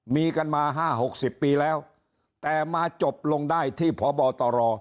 มีกันมาห้าหกสิบปีแล้วแต่มาจบลงได้ที่พอบอตรอ